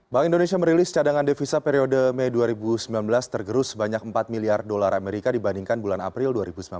bank indonesia merilis cadangan devisa periode mei dua ribu sembilan belas tergerus sebanyak empat miliar dolar amerika dibandingkan bulan april dua ribu sembilan belas